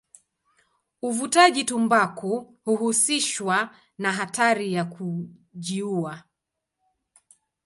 Uvutaji tumbaku huhusishwa na hatari ya kujiua.